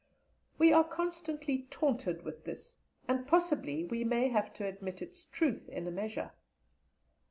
We are constantly taunted with this, and possibly we may have to admit its truth in a measure.